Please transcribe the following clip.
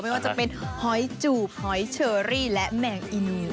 ไม่ว่าจะเป็นหอยจูบหอยเชอรี่และแมงอีนู